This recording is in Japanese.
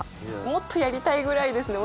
もっとやりたいぐらいですね！